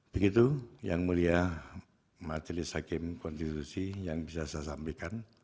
begitu yang mulia majelis hakim konstitusi yang bisa saya sampaikan